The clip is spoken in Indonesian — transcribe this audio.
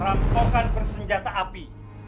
rampokan bersenjata api